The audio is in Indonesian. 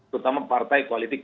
terutama partai politik